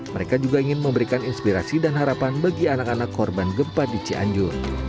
mereka juga ingin memberikan inspirasi dan harapan bagi anak anak korban gempa di cianjur